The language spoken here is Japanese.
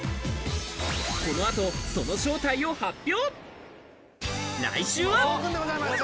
この後、その正体を発表。